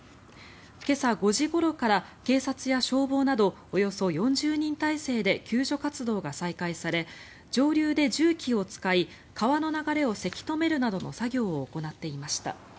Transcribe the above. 今朝５時ごろから警察や消防などおよそ４０人態勢で救助活動が再開され上流で重機を使い川の流れをせき止めるなどの作業を行っていました。